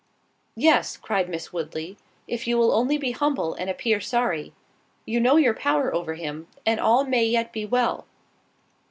"Yes," cried Miss Woodley, "if you will only be humble, and appear sorry. You know your power over him, and all may yet be well."